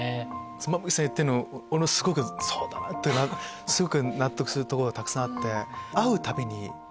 妻夫木さん言ってるの俺もすごくそうだなって納得するところがたくさんあって。